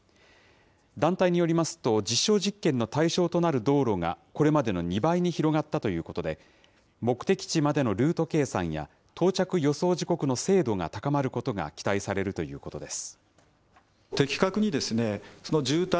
団体によりますと、実証実験の対象となる道路がこれまでの２倍に広がったということで、目的地までのルート計算や到着予想時刻の精度が高まることが期待されるということです。